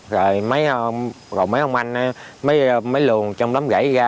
rồi mấy ông anh mới lùn trong đám gãy ra